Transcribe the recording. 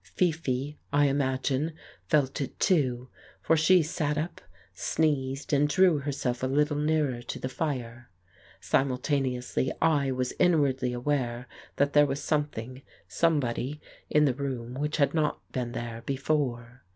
Fifi, I imagine, felt it too, for she sat up, sneezed, and drew herself a little nearer to the fire. Simultaneously I was inwardly aware that there was something, somebody in the room which had not been there before.